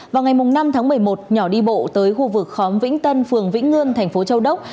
vào ngày năm tháng một mươi một nhỏ đi bộ tới khu vực khóm vĩnh tân phường vĩnh ngương thành phố châu đốc